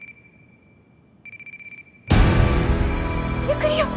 ゆっくりよ。